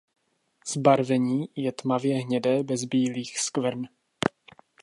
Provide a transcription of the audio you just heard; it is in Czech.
Zbarvení je tmavě hnědé bez bílých skvrn.